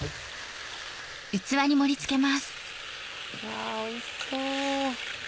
わおいしそう。